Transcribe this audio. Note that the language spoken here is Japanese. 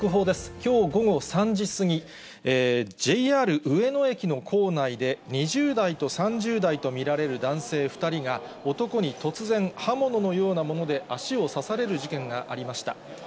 きょう午後３時過ぎ、ＪＲ上野駅の構内で、２０代と３０代と見られる男性２人が、男に突然、刃物のようなもので足を刺される事件がありました。